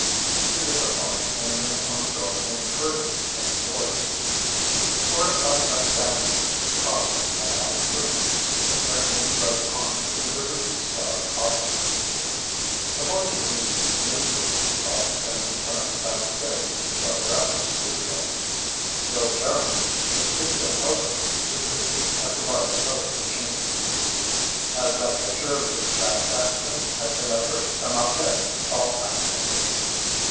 He tooted the horn and a uniformed girl came hurrying to take his order. Fortified by sandwiches, coffee, and ice cream, the pair then drove on to the Riverview Star office. Avoiding the busy newsroom, Salt and Penny went up the back stairs to the photographic studio. Bill Jones, a studio helper, was busy at the wire photo machine. "Has that picture of the traffic accident I sent over come up yet?" Salt asked him.